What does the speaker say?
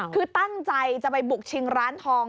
คือตั้งใจจะไปบุกชิงร้านทอง